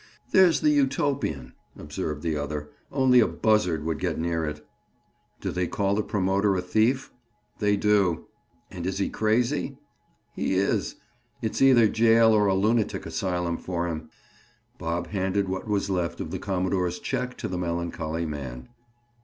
"There's the Utopian," observed the other. "Only a buzzard would get near it." "Do they call the promoter a thief?" "They do." "And is he crazy?" "He is. It's either jail or a lunatic asylum for him." Bob handed what was left of the commodore's check to the melancholy man.